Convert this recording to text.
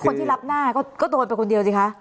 คนที่รับหน้าก็โดนไปคนเดียวสิคะ